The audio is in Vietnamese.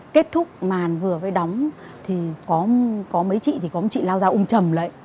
kết thúc màn vừa với đóng thì có mấy chị thì có một chị lao ra ôm trầm lấy